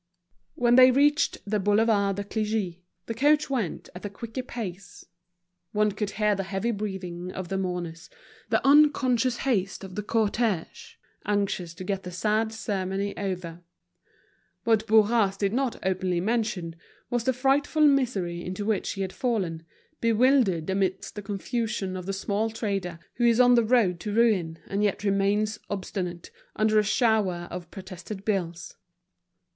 When they reached the Boulevard de Clichy, the coach went at a quicker pace; one could hear the heavy breathing of the mourners, the unconscious haste of the cortege, anxious to get the sad ceremony over. What Bourras did not openly mention, was the frightful misery into which he had fallen, bewildered amidst the confusion of the small trader who is on the road to ruin and yet remains obstinate, under a shower of protested bills.